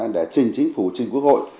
để chỉnh chính phủ chỉnh quốc hội